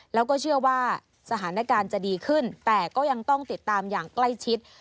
แล้วก็เชื่อว่าสถานการณ์จะดีขึ้นแต่ก็ยังต้องติดตามอย่างใกล้ชิด